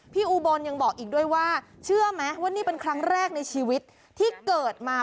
อุบลยังบอกอีกด้วยว่าเชื่อไหมว่านี่เป็นครั้งแรกในชีวิตที่เกิดมา